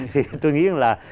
thì tôi nghĩ rằng là